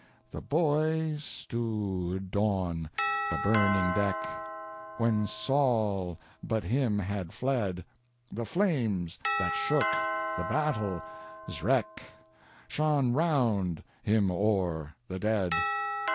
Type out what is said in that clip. "The boy—stoo dawn—the burning deck— When sawl—but him had fled— The flames—that shook—the battle—zreck—Shone round—him o'er—the dead."